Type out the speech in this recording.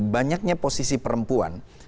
banyaknya posisi perempuan